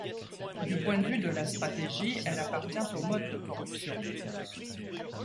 Du point de vue de la stratégie, elle appartient aux modes de corruption.